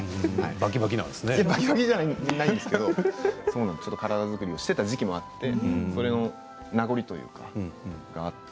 バキバキではないんですけれど体作りをしていたときがあってその名残があって。